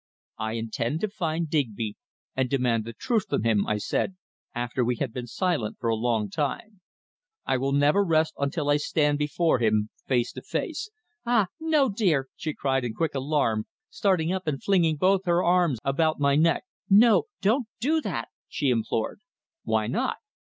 "I intend to find Digby, and demand the truth from him," I said after we had been silent for a long time. "I will never rest until I stand before him face to face." "Ah! no dear!" she cried in quick alarm, starting up and flinging both her arms about my neck. "No, don't do that?" she implored. "Why not?"